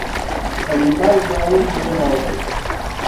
Li baldaŭ venos.